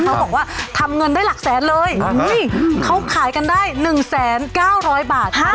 เขาบอกว่าทำเงินได้หลักแสนเลยเขาขายกันได้๑๙๐๐บาท